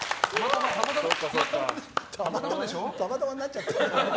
たまたまになっちゃって。